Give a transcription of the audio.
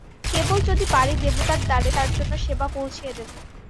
কেবল যদি পারি দেবতার দ্বারে তাঁর জন্যে সেবা পৌঁছিয়ে দেব।